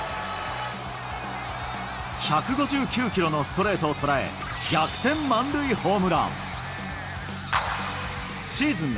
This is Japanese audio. １５９キロのストレートを捉え、逆転満塁ホームラン。